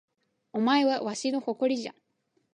お前はわしの誇りじゃ